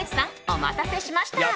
お待たせしました。